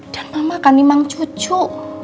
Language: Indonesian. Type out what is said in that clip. dan mama kan memang cucu